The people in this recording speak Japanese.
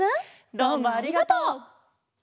どうもありがとう！